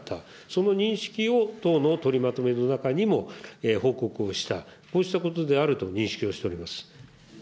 その認識を党の取りまとめの中にも報告をした、こうしたことであると認識をしております。